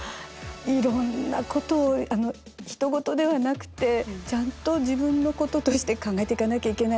いろんなことをひと事ではなくてちゃんと自分のこととして考えていかなきゃいけない。